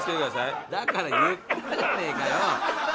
だから言ったじゃねえかよ！